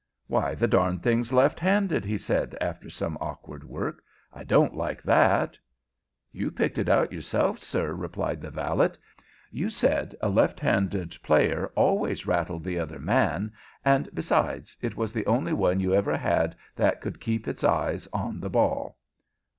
"Why, the darned thing's left handed!" he said, after some awkward work. "I don't like that." "You picked it out for yourself, sir," replied the valet. "You said a left handed player always rattled the other man, and, besides, it was the only one you ever had that could keep its eye on the ball."